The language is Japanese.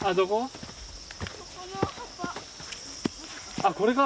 あっこれか。